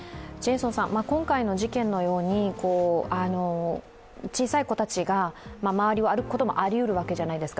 今回の事件のように小さい子たちが、周りを歩くこともありうるわけじゃないですか。